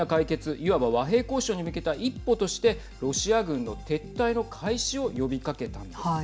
いわば和平交渉に向けた一歩としてロシア軍の撤退の開始を呼びかけたんです。